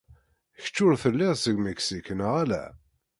Kečč ur telliḍ seg Meksik, neɣ ala?